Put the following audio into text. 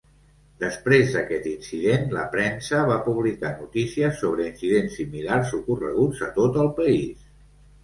Després d'aquest incident, la premsa va publicar notícies sobre incidents similars ocorreguts a tot el país.